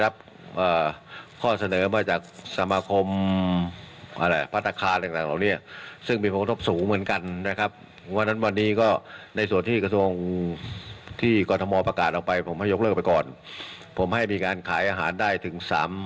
โบสถ์อย่างมนุคนมรรยาการระยะห่าง